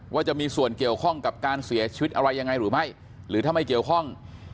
ว่าจะมีส่วนเกี่ยวข้องกับการเสียชีวิตอะไรยังไงหรือไม่หรือถ้าไม่เกี่ยวข้อง